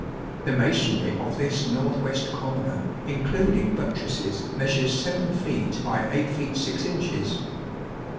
The masonry of this north west corner, including buttresses, measures 7 feet by 8 feet 6 inches.